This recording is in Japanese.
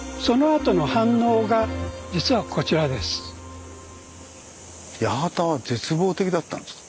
そんな八幡は絶望的だったんですか？